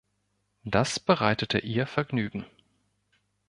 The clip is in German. Das bereitete ihr Vergnügen.